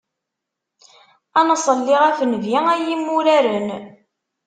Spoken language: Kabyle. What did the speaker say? Ad nṣelli ɣef Nnbi, ay imuraren.